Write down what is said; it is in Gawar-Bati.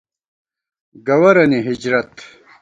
گوَرَنی ہجرت